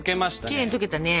きれいに溶けたね。